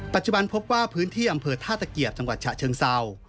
พบว่าพื้นที่อำเภอท่าตะเกียบจังหวัดฉะเชิงเศร้า